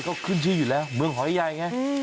ก็ขึ้นชื่ออยู่แล้วเมืองหอยใหญ่ไง